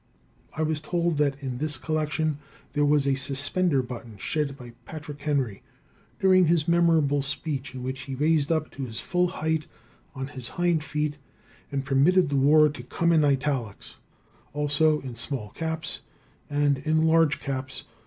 I was told that in this collection there was a suspender button shed by Patrick Henry during his memorable speech in which he raised up to his full height on his hind feet and permitted the war to come in italics, also in SMALL CAPS and in LARGE CAPS!!!